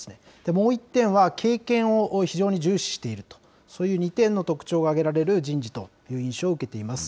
もう１点は、経験を非常に重視しているという、そういう２点の特徴を挙げられる人事という印象を受けています。